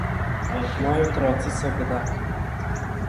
Moji otroci so vsi bedaki.